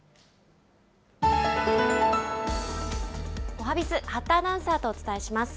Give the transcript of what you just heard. おはＢｉｚ、八田アナウンサーとお伝えします。